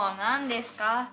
何ですか？